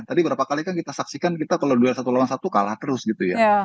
tadi berapa kali kan kita saksikan kita kalau dua satu lawan satu kalah terus gitu ya